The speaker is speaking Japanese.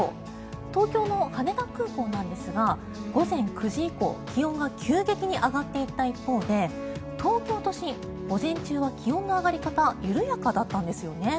東京の羽田空港ですが午前９時以降気温が急激に上がった一方で東京都心午前中は気温の上がり方緩やかだったんですよね。